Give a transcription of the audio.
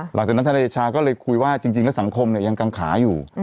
หลังจากนั้นทางอาจารย์เดชาก็เลยคุยว่าจริงแล้วสังคมเนี่ยยังกังขาอยู่